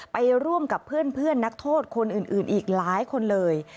ไปร่วมกับเพื่อนนักโทษคนอื่นอีกหลายคนเลย